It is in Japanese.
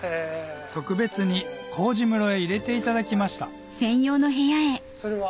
特別に麹室へ入れていただきましたそれは？